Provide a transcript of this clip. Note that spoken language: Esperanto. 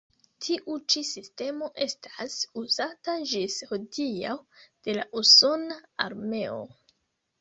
Tiu ĉi sistemo estas uzata ĝis hodiaŭ de la usona armeo.